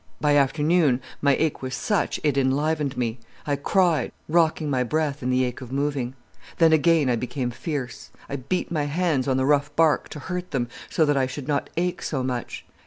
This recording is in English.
By afternoon my ache was such it enlivened me. I cried, rocking my breath in the ache of moving. Then again I became fierce. I beat my hands on the rough bark to hurt them, so that I should not ache so much.